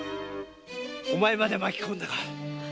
お前までまき込んだか！